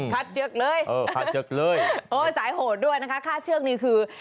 คัดเชือกเลยโอ้โฮสายโหดด้วยนะคะค่าเชือกนี้คือ